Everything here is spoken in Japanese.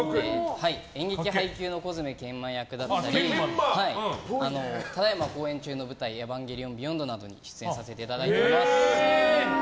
演劇「ハイキュー！！」の孤爪研磨役だったりただいま公演中の舞台「エヴァンゲリオンビヨンド」などに出演させていただいています。